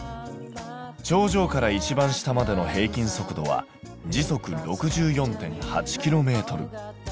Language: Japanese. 頂上から一番下までの平均速度は時速６４．８ｋｍ。